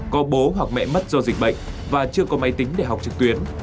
có bố hoặc mẹ mất do dịch bệnh và chưa có máy tính để học trực tuyến